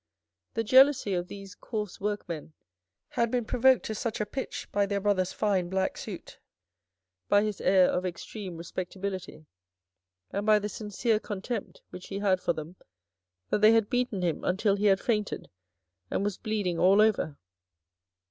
The jealousy of these coarse workmen had been provoked to such a pitch by their brother's fine black suit, by his air of extreme respectability, and by the sincere contempt which he had for them, that they had beaten him until he had fainted and was bleeding all over.